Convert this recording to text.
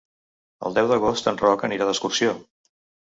El deu d'agost en Roc anirà d'excursió.